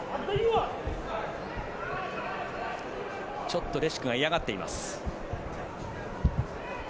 ちょっとレシュクが嫌がっています。